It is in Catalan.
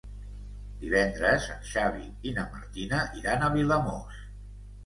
Divendres en Xavi i na Martina iran a Vilamòs.